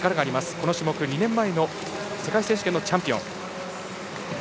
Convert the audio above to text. この種目、２年前の世界選手権のチャンピオン。